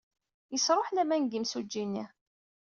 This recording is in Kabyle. Yesṛuḥ laman deg yimsujji-nni.